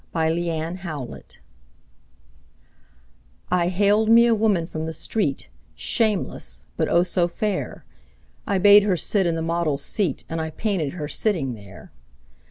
My Madonna I haled me a woman from the street, Shameless, but, oh, so fair! I bade her sit in the model's seat And I painted her sitting there.